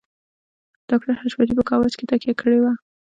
ډاکټر حشمتي په کاوچ کې تکيه کړې وه